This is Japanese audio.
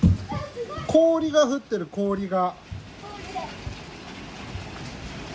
氷が降ってる、氷が。